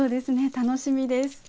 楽しみです。